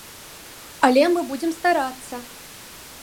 Але мы будзем старацца!